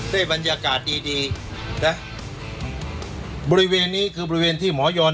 ได้บรรยากาศดีดีนะบริเวณนี้คือบริเวณที่หมอยอน